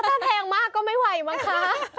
ถ้าเทงมากก็ไม่ไหวมากคะ